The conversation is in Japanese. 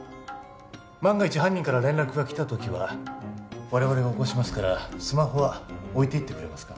万が一犯人から連絡がきた時は我々が起こしますからスマホは置いていってくれますか？